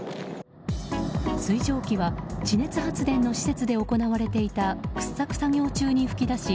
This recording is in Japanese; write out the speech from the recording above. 水蒸気は地熱発電の施設で行われていた掘削作業中に噴き出し